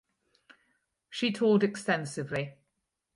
She toured extensively.